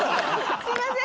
すいません。